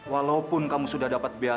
walaupun kamu sudah dapat biaya